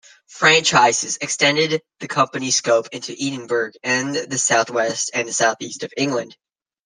Franchises extended the company scope into Edinburgh and the southwest and southeast of England.